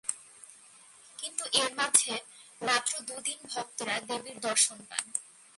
কিন্তু এর মধ্যে মাত্র দু’ দিন ভক্তরা দেবীর দর্শন পান।